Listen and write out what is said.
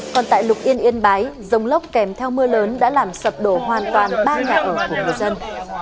còn tại lục yên yên bái rông lốc kèm theo mưa lớn đã làm sập đổ hoàn toàn ba nhà ở của người dân